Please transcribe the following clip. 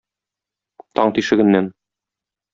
Таң тишегеннән.